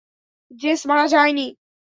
JS মারা যায়নি।